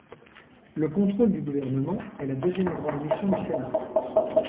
Le contrôle du gouvernement est la deuxième grande mission du Sénat.